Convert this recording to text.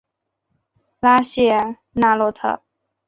拉谢纳洛特。